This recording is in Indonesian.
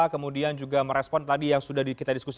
kemudian juga merespon tadi yang sudah kita diskusikan